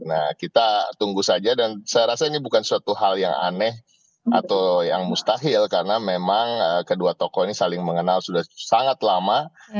nah kita tunggu saja dan saya rasa ini bukan suatu hal yang aneh atau yang mustahil karena memang kedua tokoh ini saling mengenal sudah sangat lama